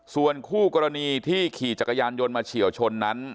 ส่วนคู่กรณีที่ขี่จักรยานยนต์มาเฉียวชนนั้น